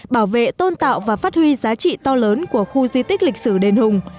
bảo vệ tôn tạo và phát huy giá trị to lớn của khu di tích lịch sử đền hùng